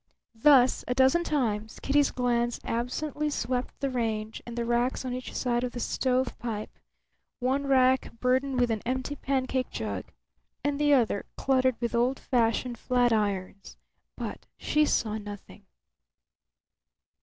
Thus a dozen times Kitty's glance absently swept the range and the racks on each side of the stovepipe, one rack burdened with an empty pancake jug and the other cluttered with old fashioned flatirons; but she saw nothing.